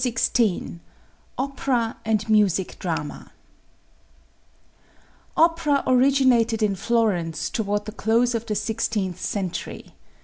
XVI OPERA AND MUSIC DRAMA Opera originated in Florence toward the close of the sixteenth century.